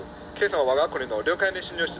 わが国の領海に侵入した。